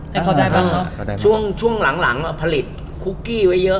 ให้เขาได้บ้างช่วงหลังผลิตคุกกี้ไว้เยอะ